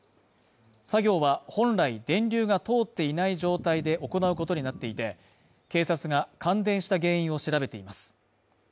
作業は本来電流が通っていない状態で行うことになっていて、警察が感電した原因を調べています。